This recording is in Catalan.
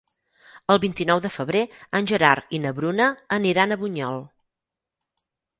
El vint-i-nou de febrer en Gerard i na Bruna aniran a Bunyol.